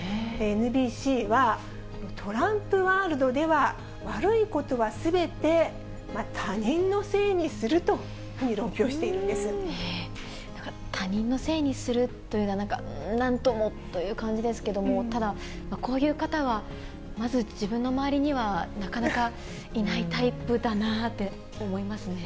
ＮＢＣは、トランプワールドでは、悪いことはすべて他人のせいにするというふうに論評しているんで他人のせいにするっていうのは、なんか、うーん、なんともという感じですけれども、ただ、こういう方は、まず自分の周りには、なかなかいないタイプだなって思いますね。